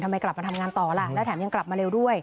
ทำไมกลับมาทำงานต่อล่ะแล้วแถมยังกลับมาเร็วด้วย